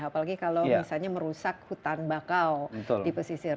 apalagi kalau misalnya merusak hutan bakau di pesisir